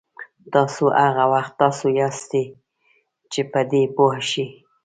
تاسو هغه وخت تاسو یاستئ چې په دې پوه شئ.